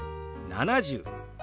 ７０。